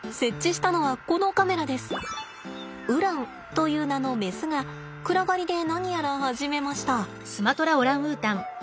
ウランという名のメスが暗がりで何やら始めました。